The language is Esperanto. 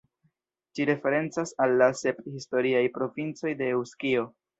Ĝi referencas al la sep historiaj provincoj de Eŭskio.